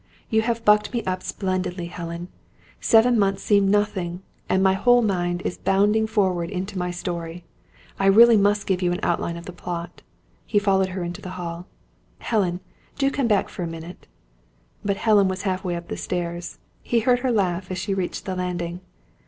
You have bucked me up splendidly, Helen. Seven months seem nothing; and my whole mind is bounding forward into my story. I really must give you an outline of the plot." He followed her into the hall. "Helen! Do come back for a minute." But Helen was half way up the stairs. He heard her laugh as she reached the landing.